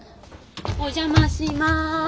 お邪魔します。